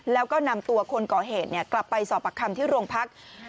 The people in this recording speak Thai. แล้วก็นำตัวคนก่อเหตุกลับไปสอบปากคำที่โรงพัก